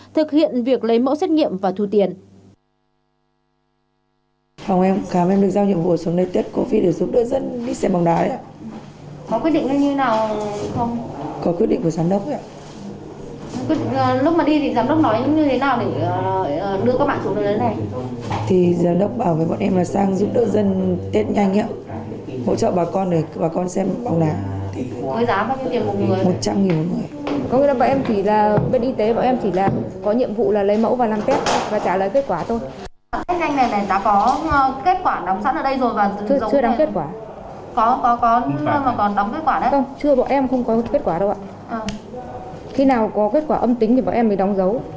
thực hiện việc lấy mẫu xét nghiệm và thu tiền